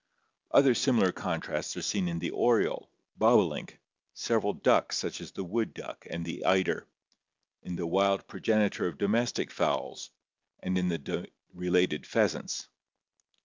Other similar contrasts are seen in the oriole, bobolink, several ducks such as the wood duck and the eider, in the wild progenitor of domestic fowls, and in the related pheasants.